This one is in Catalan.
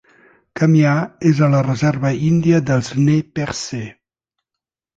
Kamiah és a la reserva índia dels nez percé.